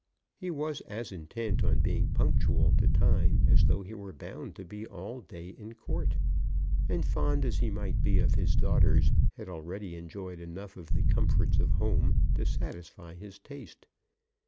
He was as intent on being punctual to time as though he were bound to be all day in Court: and, fond as he might be of his daughters, had already enjoyed enough of the comforts of home to satisfy his taste.